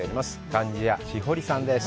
貫地谷しほりさんです。